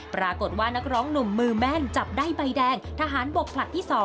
ปรากฏว่านักร้องหนุ่มมือแม่นจับได้ใบแดงทหารบกผลัดที่๒